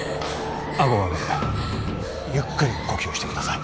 顎を上げてゆっくり呼吸をしてください